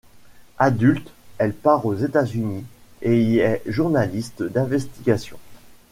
Adulte, elle part aux États-Unis et y est journaliste d’investigation.